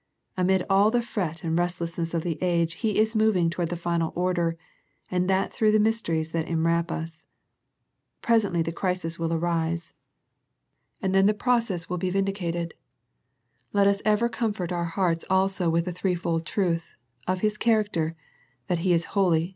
Amid all the fret and restlessness of the age He is moving toward the final order, and that through the mysteries that enwrap us. Pres ently the crisis will arrive, and then the process The Philadelphia Letter 165 will be vindicated. Let us ever comfort our hearts also with the threefold truth, of His character, " He that is holy.